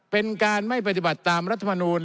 เป็นการไม่ปฏิบัติตามรัฐมนูล